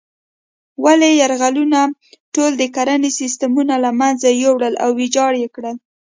ولې یرغلونو ټول د کرنې سیسټمونه له منځه یوړل او ویجاړ یې کړل.